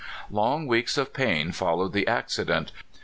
Long weeks of pain followed the accident.